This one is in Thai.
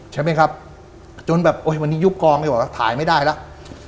ใช่ไหมครับจนแบบโอ้ยวันนี้ยุบกองเลยบอกว่าถ่ายไม่ได้แล้ว